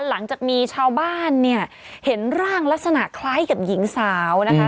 หลังจากมีชาวบ้านเนี่ยเห็นร่างลักษณะคล้ายกับหญิงสาวนะคะ